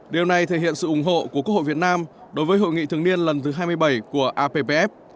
điều này thể hiện sự ủng hộ của quốc hội việt nam đối với hội nghị thường niên lần thứ hai mươi bảy của appf